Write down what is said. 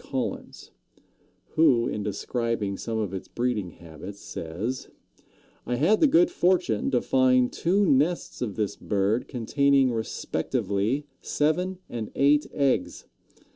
Collins, who, in describing some of its breeding habits, says: "I had the good fortune to find two nests of this bird containing respectively seven and eight eggs.